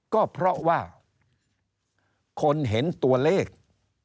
ก็เพราะว่าคนเห็นตัวเลข